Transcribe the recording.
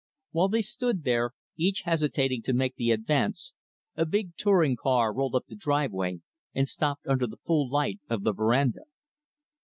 While they stood there, each hesitating to make the advance, a big touring car rolled up the driveway, and stopped under the full light of the veranda.